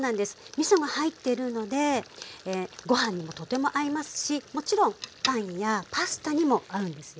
みそが入ってるのでご飯にもとても合いますしもちろんパンやパスタにも合うんですよ。